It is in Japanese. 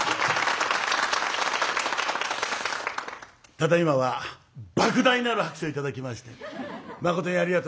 ただいまはばく大なる拍手を頂きましてまことにありがとうございます。